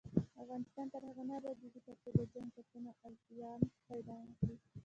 افغانستان تر هغو نه ابادیږي، ترڅو د جنګ ټپونه التیام پیدا نکړي.